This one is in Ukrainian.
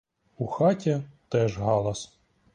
У хаті теж галас.